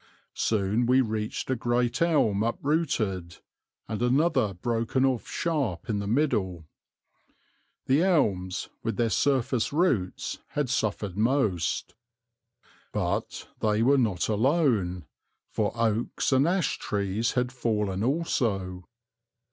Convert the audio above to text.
Soon we reached a great elm uprooted, and another broken off sharp in the middle. The elms, with their surface roots, had suffered most. But they were not alone, for oaks and ash trees had fallen also.